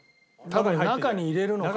多分中に入れるのかな？